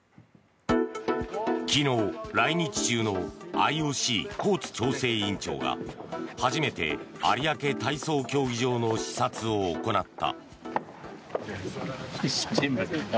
昨日、来日中のＩＯＣ、コーツ調整委員長が初めて有明体操競技場の視察を行った。